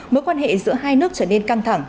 mối quan hệ giữa hai nước trở nên căng thẳng